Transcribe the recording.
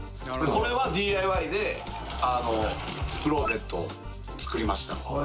これはＤＩＹでクローゼットを作りました。